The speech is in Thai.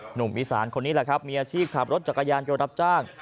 หนุ่มอีสานคนนี้แหละครับมีอาชีพขับรถจักรยานยนต์รับจ้าง